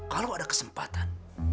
kalau ada kesempatan